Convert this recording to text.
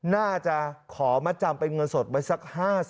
น่าจะขอมัดจำเป็นเงินสดไว้สัก๕๐